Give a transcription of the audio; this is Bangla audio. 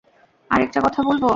আরেকটা কথা, বলবো?